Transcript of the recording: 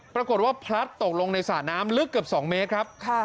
ปรากฏว่าพลัดตกลงในสระน้ำลึกเกือบ๒เมตรครับ